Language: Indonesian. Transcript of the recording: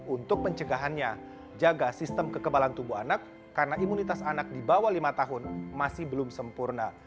untuk pencegahannya jaga sistem kekebalan tubuh anak karena imunitas anak di bawah lima tahun masih belum sempurna